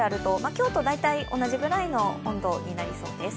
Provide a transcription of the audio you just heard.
今日と大体同じくらいの温度となりそうです。